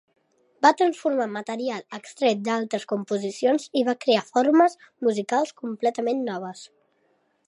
Va transformar material extret d'altres composicions i va crear formes musicals completament noves.